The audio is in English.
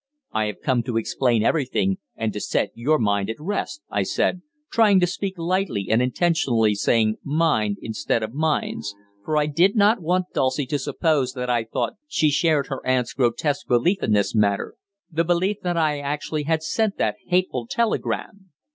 "I have come to explain everything, and to set your mind at rest," I said, trying to speak lightly, and intentionally saying "mind" instead of "minds," for I did not want Dulcie to suppose that I thought she shared her aunt's grotesque belief in this matter the belief that I actually had sent that hateful telegram.